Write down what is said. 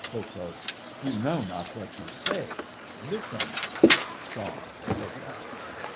KO. You know not what you say. Listen! SONG—KO KO.